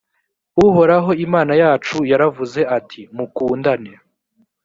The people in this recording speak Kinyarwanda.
uhoraho imana yacu yaravuze ati mukundane